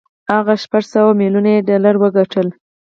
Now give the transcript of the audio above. هغه شپږ سوه ميليون يې ډالر وګټل.